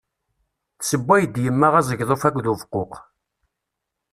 Tsewway-d yemma azegḍuf akked ubeqquq.